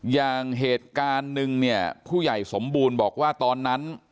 อย่างเหตุการณ์นึงเนี่ยผู้ใหญ่สมบูรณ์บอกว่าตอนนั้น